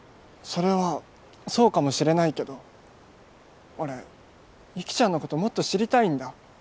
それはそうかもしれないけど俺雪ちゃんのこともっと知りたいんだ。